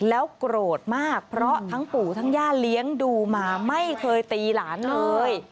แล้วโกรธมากเพราะทั้งปู่ทั้งย่าเลี้ยงดูมาไม่เคยตีหลานเลย